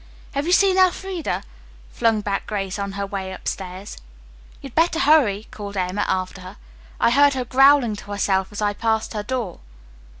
"Have you seen Elfreda?" flung back Grace on her way upstairs. "You'd better hurry," called Emma after her. "I heard her growling to herself as I passed her door."